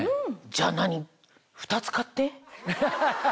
じゃ何２つ買って？